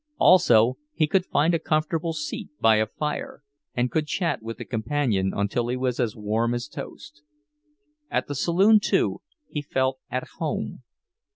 Also he could find a comfortable seat by a fire, and could chat with a companion until he was as warm as toast. At the saloon, too, he felt at home.